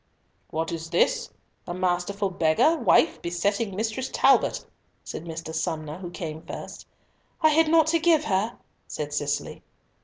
"What is this? A masterful beggar wife besetting Mistress Talbot," said Mr. Somer, who came first. "I had naught to give her," said Cicely.